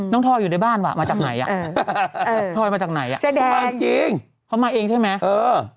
ทอยอยู่ในบ้านว่ะมาจากไหนอ่ะทอยมาจากไหนอ่ะมาจริงเขามาเองใช่ไหมเออ